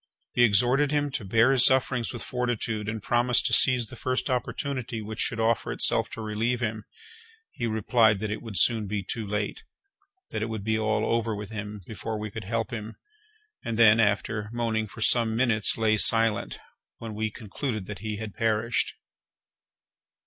We exhorted him to bear his sufferings with fortitude, and promised to seize the first opportunity which should offer itself to relieve him. He replied that it would soon be too late; that it would be all over with him before we could help him; and then, after moaning for some minutes, lay silent, when we concluded that he had perished.